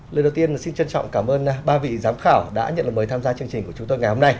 lời đầu tiên xin trân trọng cảm ơn ba vị giám khảo đã nhận lời mời tham gia chương trình của chúng tôi ngày hôm nay